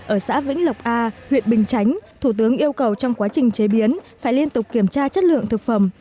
ở xã vĩnh lộc a huyện bình chánh thủ tướng yêu cầu trong quá trình chế biến phải liên tục kiểm tra chất lượng thực phẩm